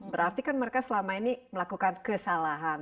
berarti kan mereka selama ini melakukan kesalahan